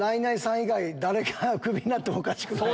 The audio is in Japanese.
以外誰がクビになってもおかしくない。